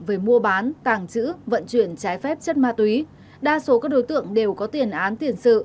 về mua bán tàng trữ vận chuyển trái phép chất ma túy đa số các đối tượng đều có tiền án tiền sự